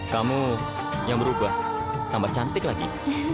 kamu yang berubah tambah cantik lagi